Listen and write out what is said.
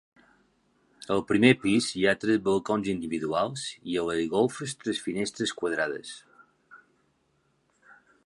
Al primer pis hi ha tres balcons individuals i a les golfes tres finestres quadrades.